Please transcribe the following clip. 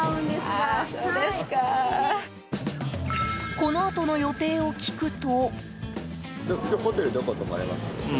このあとの予定を聞くと。